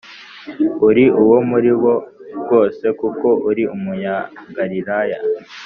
Uri uwo muri bo rwose kuko uri umunyagalilaya